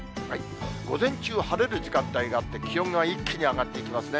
午前中は晴れる時間帯があって、気温が一気に上がっていきますね。